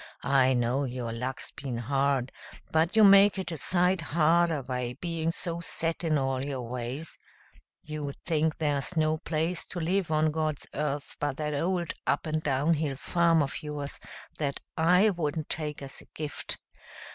I know your luck's been hard, but you make it a sight harder by being so set in all your ways. You think there's no place to live on God's earth but that old up and down hill farm of yours that I wouldn't take as a gift.